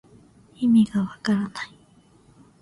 いみがわからない